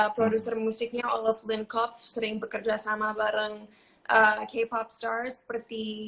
produser musiknya olof lindkopf sering bekerja sama bareng k pop stars seperti